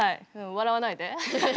笑わないで。